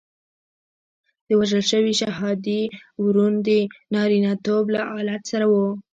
د وژل شوي شهادي ورون د نارینتوب له آلت سره وو.